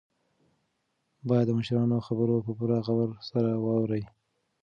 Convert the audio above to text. باید د مشرانو خبره په پوره غور سره واورئ.